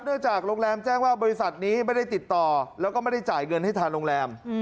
จากโรงแรมแจ้งว่าบริษัทนี้ไม่ได้ติดต่อแล้วก็ไม่ได้จ่ายเงินให้ทางโรงแรม